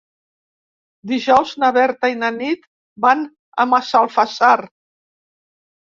Dijous na Berta i na Nit van a Massalfassar.